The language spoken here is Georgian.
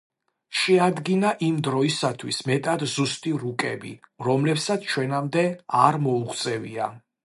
შეადგინა იმ დროისათვის მეტად ზუსტი რუკები, რომლებსაც ჩვენამდე არ მოუღწევია.